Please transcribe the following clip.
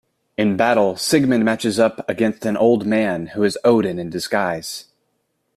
In battle, Sigmund matches up against an old man who is Odin in disguise.